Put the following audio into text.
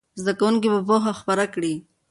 زده کوونکي به پوهه خپره کړي.